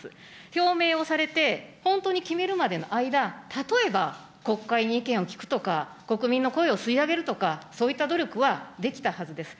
表明をされて、本当に決めるまでの間、例えば、国会に意見を聞くとか、国民の声を吸い上げるとか、そういった努力はできたはずです。